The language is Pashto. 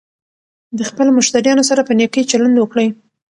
د خپلو مشتریانو سره په نېکۍ چلند وکړئ.